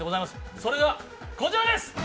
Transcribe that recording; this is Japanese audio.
それがこちらです。